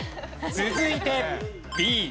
続いてＢ。